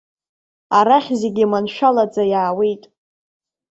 Арахь зегьы маншәалаӡа иаауеит.